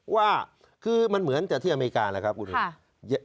ว่าคือมันเหมือนแต่ที่อเมริกาแล้วครับคุณ